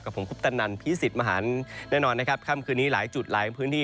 ผมคุปตนันพี่สิทธิ์มหันแน่นอนนะครับค่ำคืนนี้หลายจุดหลายพื้นที่